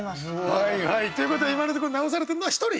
はいはいということで今のところ直されてるのは１人。